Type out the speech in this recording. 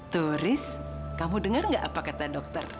tuh riz kamu dengar nggak apa kata dokter